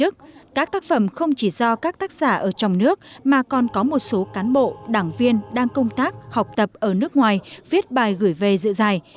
các tác phẩm không chỉ do các tác giả ở trong nước mà còn có một số cán bộ đảng viên đang công tác học tập ở nước ngoài viết bài gửi về dự giải